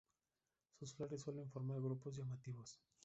Sus flores suelen formar grupos llamativos.